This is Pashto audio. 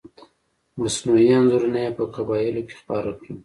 مصنوعي انځورونه یې په قبایلو کې خپاره کړل.